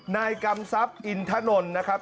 นายกรรมทรัพย์อินทะนลนะครับ